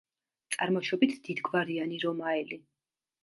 წარმოშობით დიდგვარიანი რომაელი.